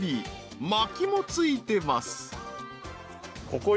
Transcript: ［まきもついてます］